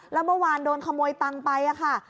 แล้วเมื่อวานโดนขโมยตังค์ไปค่ะ